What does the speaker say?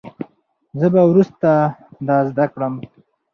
زه به وروسته دا زده کړم.